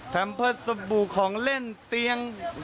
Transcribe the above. แพมป์เผอร์สบู่ของเล่นเตี้ยง